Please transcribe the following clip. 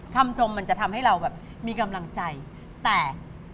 คำชมมันจะทำให้เราแบบมีกำลังใจแต่